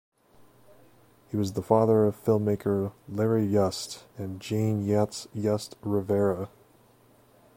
He was the father of filmmaker Larry Yust and Jane Yust Rivera.